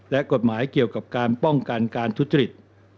และกฎหมายเกี่ยวกับการป้องกันการทุจริต